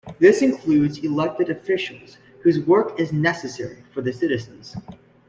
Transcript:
This includes elected officials whose work is necessary for the citizens.